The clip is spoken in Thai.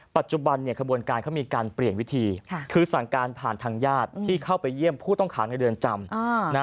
ปัจจุบันขบวนการเขามีการเปลี่ยนวิธีคือสั่งการผ่านทางญาติที่เข้าไปเยี่ยมผู้ต้องขังในเรือนจำ